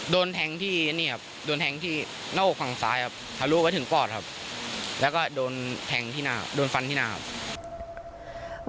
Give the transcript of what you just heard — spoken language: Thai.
โดนแทงที่นี่ครับโดนแทงที่หน้าอกฝั่งซ้ายครับทะลุไปถึงปอดครับแล้วก็โดนแทงที่หน้าโดนฟันที่หน้าครับ